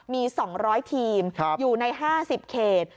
มี๒๐๐ทีมอยู่ใน๕๐เขต